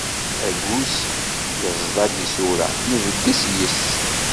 Aggus, yeẓḍa d isura, nbegges yes-s.